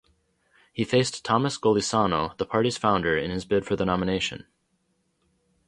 He faced Thomas Golisano, the party's founder in his bid for the nomination.